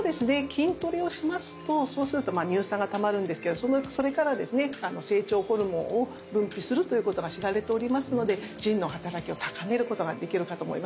筋トレをしますと乳酸がたまるんですけどそれから成長ホルモンを分泌するということが知られておりますので腎の働きを高めることができるかと思います。